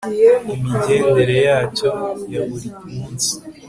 imigendere yacyo ya buri munsi